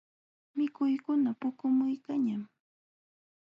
Mikuykuna puqumuykanñam.